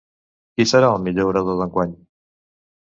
Qui serà el millor orador d’enguany?